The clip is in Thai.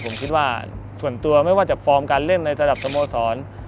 ผมคิดว่าส่วนตัวไม่ว่าจะฟอร์มการเล่นในระดับสโมสร